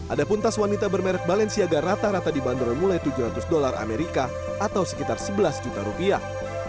ada pun tas wanita bermerek balenciaga rata rata dibanderol mulai tujuh ratus dolar amerika atau sekitar sebelas juta rupiah